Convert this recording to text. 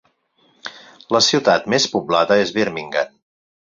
La ciutat més poblada és Birmingham.